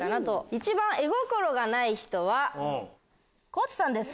一番絵心がない人は地さんです。